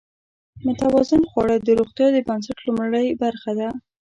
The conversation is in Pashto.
متوازن خواړه د روغتیا د بنسټ لومړۍ برخه ده.